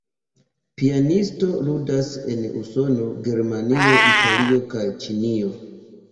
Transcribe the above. Pianisto ludas en Usono, Germanio, Italio, kaj Ĉinio.